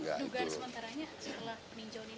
dugaan sementaranya setelah peninjauan ini